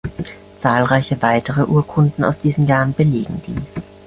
Zahlreiche weitere Urkunden aus diesen Jahren belegen dies.